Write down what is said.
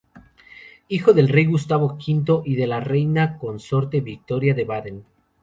Hijo del rey Gustavo V y de la reina consorte Victoria de Baden.